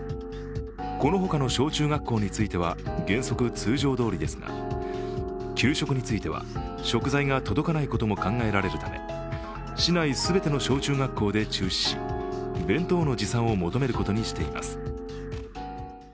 このほかの小中学校については原則通常どおりですが給食については、食材が届かないことも考えられるため市内全ての小中学校で中止し弁当の持参を求めることにしています。